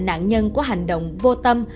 nạn nhân của hành động vô tâm